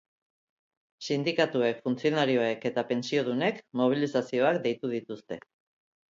Sindikatuek, funtzionarioek eta pentsiodunek mobilizazioak deitu dituzte.